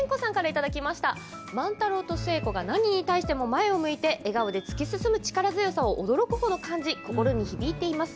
万太郎と寿恵子が何に対しても前を向いて笑顔で突き進む力強さを驚く程感じ、心に響いています。